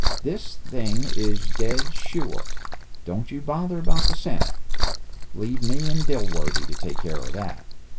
The thing is dead sure. Don't you bother about the Senate. Leave me and Dilworthy to take care of that.